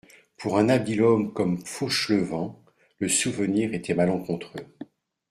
Pour un habile homme comme Fauchelevent, le souvenir était malencontreux.